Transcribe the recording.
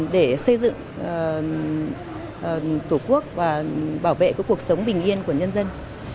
để xây dựng tổ quốc và bảo vệ cuộc sống bình yên của nhân dân